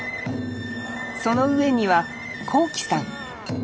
その上には昂輝さん。